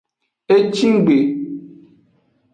Ecinggbe.